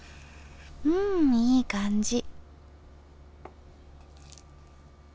うんいい感じ。